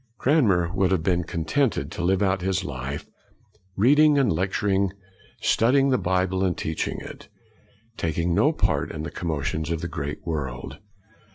Cranmer would have been contented to live out all his life, reading and lecturing, studying the Bible and teaching it, taking no part in the commotions of the great world.